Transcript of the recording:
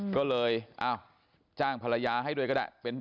ก็เลยจ้างภรรยาให้ด้วยก็ได้